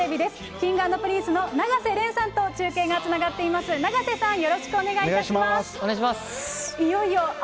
Ｋｉｎｇ＆Ｐｒｉｎｃｅの永瀬廉さんと中継がつながっています。